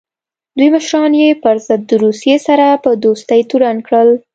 دوی مشران یې پر ضد د روسیې سره په دوستۍ تورن کړل.